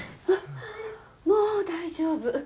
もう大丈夫。